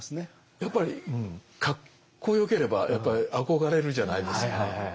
やっぱりかっこよければやっぱり憧れるじゃないですか。